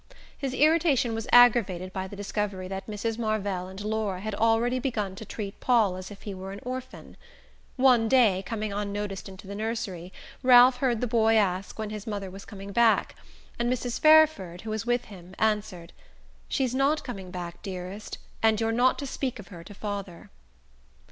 His irritation was aggravated by the discovery that Mrs. Marvell and Laura had already begun to treat Paul as if he were an orphan. One day, coming unnoticed into the nursery, Ralph heard the boy ask when his mother was coming back; and Mrs. Fairford, who was with him, answered: "She's not coming back, dearest; and you're not to speak of her to father."